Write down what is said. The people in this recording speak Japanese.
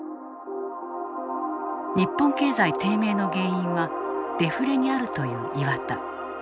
日本経済低迷の原因はデフレにあるという岩田。